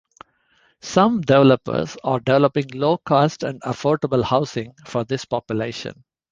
Some developers are developing low cost and affordable housing for this population.